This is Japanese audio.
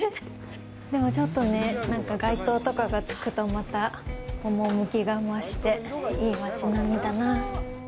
でも、ちょっとね、街灯とかがつくとまた趣が増して、いい町並みだな。